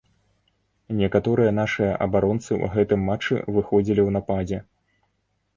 Некаторыя нашыя абаронцы ў гэтым матчы выходзілі ў нападзе.